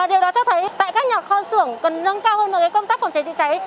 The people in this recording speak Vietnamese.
điều đó cho thấy tại các nhà kho xưởng cần nâng cao hơn công tác phòng cháy trị cháy